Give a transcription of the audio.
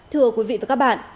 thưa quý vị và các bạn